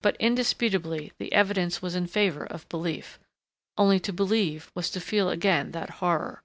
But, indisputably, the evidence was in favor of belief.... Only to believe was to feel again that horror....